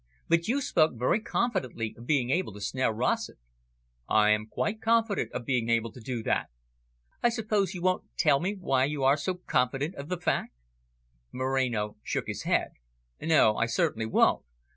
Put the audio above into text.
But you spoke very confidently of being able to snare Rossett." "I am quite confident of being able to do that." "I suppose you won't tell me why you are so confident of the fact?" Moreno shook his head. "No, I certainly won't.